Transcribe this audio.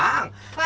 oh mau terbang